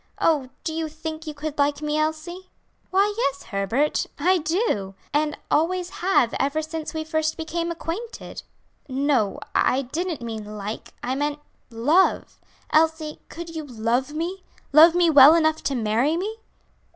Oh, do you think you could like me, Elsie?" "Why, yes, Herbert; I do, and always have ever since we first became acquainted." "No, I didn't mean like, I meant love. Elsie, could you love me love me well enough to marry me?"